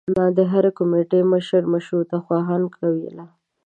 د هرې کومیټي مشري مشروطه خواهانو کوله.